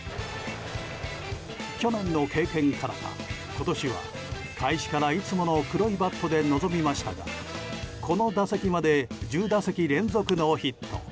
去年の経験からか今年は開始からいつもの黒いバットで臨みましたがこの打席まで１０打席連続ノーヒット。